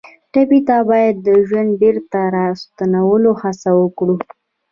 ټپي ته باید د ژوند بېرته راستنولو هڅه وکړو.